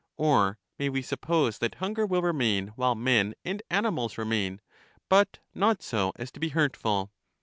Or may we suppose that hunger will remain while men and ani mals remain, but not so as to be hurtful?